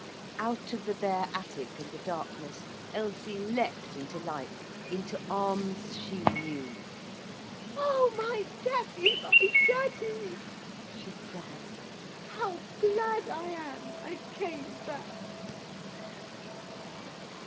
Out of the bare attic and the darkness Elsie leapt into light, into arms she knew. 'Oh, my daddy, my daddy!' she cried. 'How glad I am I came back!'